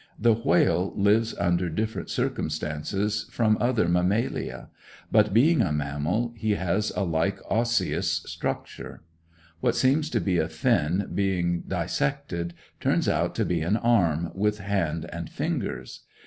The whale lives under different circumstances from other mammalia; but being a mammal, he has a like osseous structure. What seems to be a fin, being dissected, turns out to be an arm, with hand and fingers.